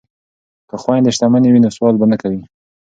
که خویندې شتمنې وي نو سوال به نه کوي.